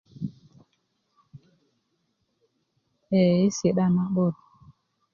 ee yi si'da na'but